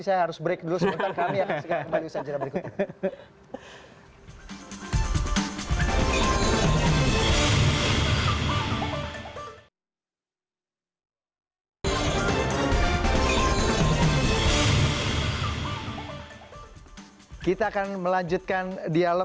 saya harus break dulu